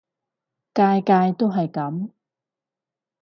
屆屆都係噉